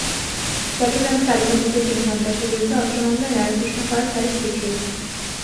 চট্টগ্রামে তালিকাভুক্ত তিন সন্ত্রাসীর বিরুদ্ধে অস্ত্র মামলায় রায় ঘোষণা করার তারিখ পিছিয়েছে।